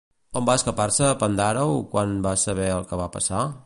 On va escapar-se Pandàreu quan va saber el que va passar?